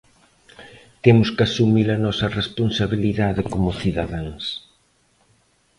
Temos que asumir a nosa responsabilidade como cidadáns.